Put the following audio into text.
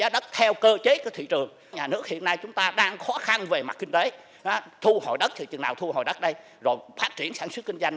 đất thì chừng nào thu hồi đất đây rồi phát triển sản xuất kinh doanh